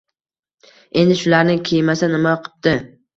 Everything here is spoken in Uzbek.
— Endi, shularni kiymasa nima qipti?